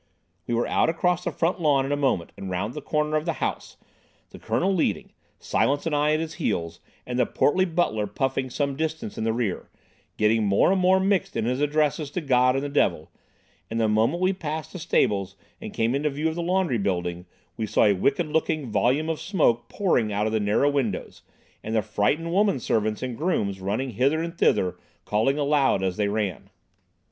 We were out across the front lawn in a moment and round the corner of the house, the Colonel leading, Silence and I at his heels, and the portly butler puffing some distance in the rear, getting more and more mixed in his addresses to God and the devil; and the moment we passed the stables and came into view of the laundry building, we saw a wicked looking volume of smoke pouring out of the narrow windows, and the frightened women servants and grooms running hither and thither, calling aloud as they ran.